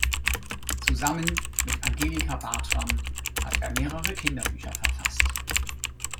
Zusammen mit Angelika Bartram hat er mehrere Kinderbücher verfasst.